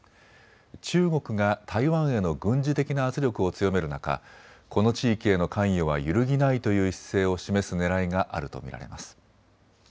中国が台湾への軍事的な圧力を強める中、この地域への関与は揺るぎないという姿勢を示すねらいがあると見られます。